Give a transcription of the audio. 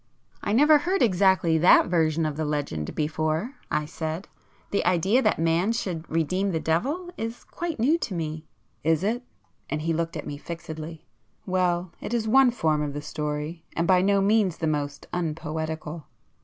'" "I never heard exactly that version of the legend before,"—I said,—"The idea that Man should redeem the devil is quite new to me." "Is it?" and he looked at me fixedly—"Well—it is one form of the story, and by no means the most unpoetical.